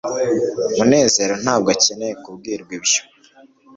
munezero ntabwo akeneye kubwirwa ibyo